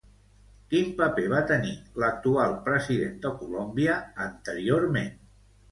Quin paper va tenir l'actual president de Colòmbia anteriorment?